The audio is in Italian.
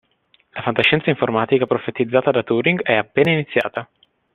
La fantascienza informatica profetizzata da Turing è appena iniziata.